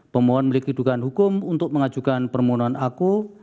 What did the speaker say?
permohonan milik kedudukan hukum untuk mengajukan permohonan aku